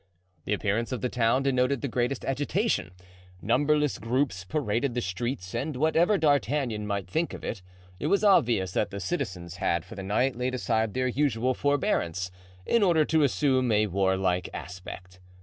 The appearance of the town denoted the greatest agitation. Numberless groups paraded the streets and, whatever D'Artagnan might think of it, it was obvious that the citizens had for the night laid aside their usual forbearance, in order to assume a warlike aspect.